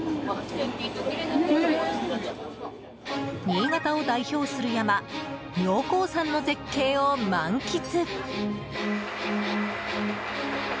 新潟を代表する山妙高山の絶景を満喫。